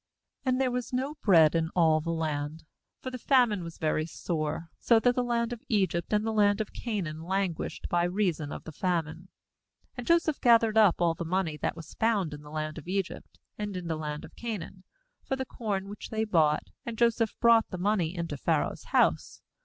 ^And there was no bread in all the land; for the famine was very sore, so that the land of Egypt and the land of Canaan languished by reason of the famine. 14And Joseph gathered up all the money that was found in the land of Egypt, and in the land of Canaan, for the corn which they bought; and Joseph brought the money into Pharaoh's house.